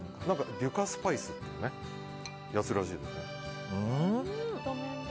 デュカスパイスというやつらしいですね。